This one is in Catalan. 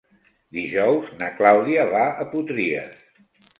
Dijous na Clàudia va a Potries.